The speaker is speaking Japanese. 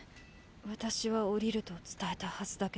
私は降りると伝えたはずだけど。